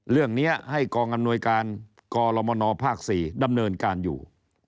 เรื่องนี้ให้กองอำนวยการกรมนภ๔ดำเนินการอยู่